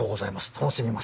楽しみます。